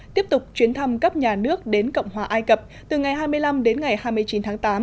tiếp tục chuyến thăm cấp nhà nước đến cộng hòa ai cập từ ngày hai mươi năm đến ngày hai mươi chín tháng tám